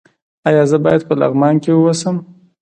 ایا زه باید په لغمان کې اوسم؟